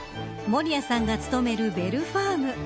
守屋さんが勤めるベルファーム。